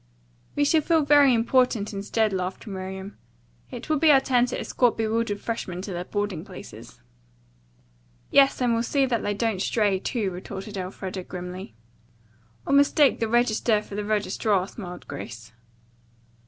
"We shall feel very important instead," laughed Miriam. "It will be our turn to escort bewildered freshmen to their boarding places." "Yes, and we'll see that they don't stray, too," retorted Elfreda grimly. "Or mistake the Register for the registrar," smiled Grace.